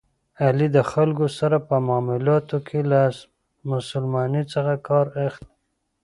علي د خلکو سره په معاملاتو کې له مسلمانی څخه کار اخلي.